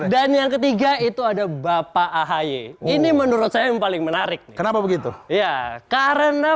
dan yang ketiga itu ada bapak ahy ini menurut saya yang paling menarik kenapa begitu ya karena